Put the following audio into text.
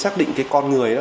xác định cái con người